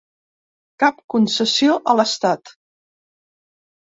Cap concessió a l’estat.